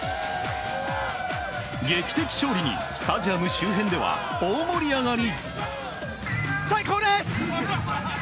劇的勝利にスタジアム周辺では大盛り上がり。